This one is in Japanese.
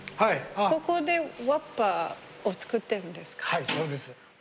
はいそうです。